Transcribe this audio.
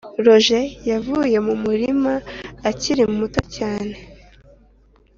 roger yavuye mu murima akiri muto cyane.